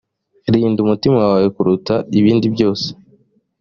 rinda umutima wawe kuruta ibindi byose